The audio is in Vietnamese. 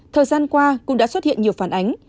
thời gian qua cũng đã xuất hiện nhiều phản ánh